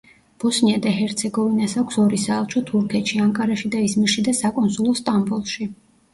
ბოსნია და ჰერცეგოვინას აქვს ორი საელჩო თურქეთში ანკარაში და იზმირში და საკონსულო სტამბოლში.